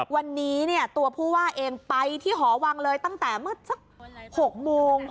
วันนี้ตัวผู้ว่าเองไปที่หอวังเลยตั้งแต่เมื่อสัก๖โมง